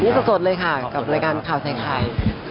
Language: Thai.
นี่สดเลยค่ะกับรายการข่าวใส่ไข่